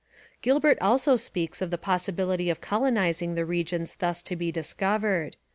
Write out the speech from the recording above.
Gilbert also speaks of the possibility of colonizing the regions thus to be discovered.